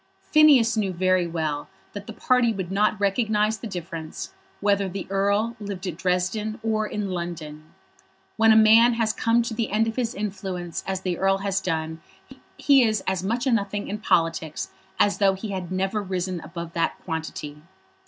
Phineas knew very well that the party would not recognise the difference whether the Earl lived at Dresden or in London. When a man has come to the end of his influence as the Earl had done he is as much a nothing in politics as though he had never risen above that quantity.